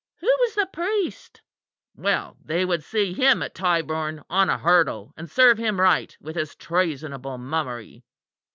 Who was the priest? Well, they would see him at Tyburn on a hurdle; and serve him right with his treasonable mummery.